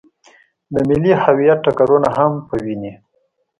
د ملي هویت ټکرونه هم په ويني.